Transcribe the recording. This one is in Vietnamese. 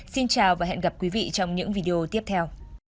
xin chào và hẹn gặp quý vị trong những video tiếp theo